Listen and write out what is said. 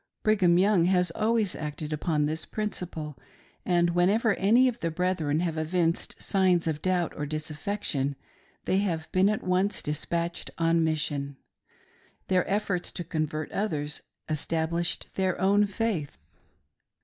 Brig ham Young has always acted on this principle, and whenever any of the brethren have evinced signs of doubt or disaffection they have been at once despatched on Mission. Their efforts to convert others, established their own faith.